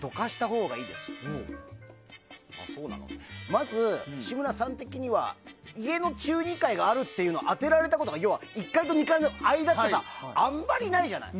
まず、志村さん的には家の中２階があるというのを当てられたことが１階と２階の間ってさあんまりないじゃない。